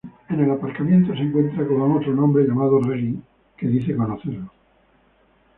En el aparcamiento se encuentra con un hombre llamado Reggie que dice conocerlo.